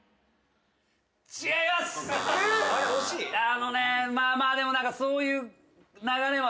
あのねまあまあでもそういう流れは。